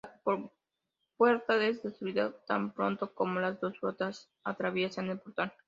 La compuerta es destruida tan pronto como las dos flotas atraviesan el portal.